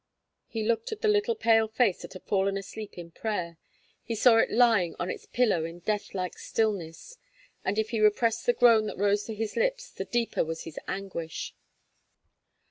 He looked at the little pale face that had fallen asleep in prayer; he saw it lying on its pillow in death like stillness; and if he repressed the groan that rose to his lips the deeper was his anguish.